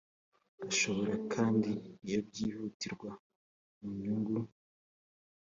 ashobora kandi iyo byihutirwa mu nyungu